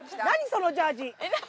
そのジャージ！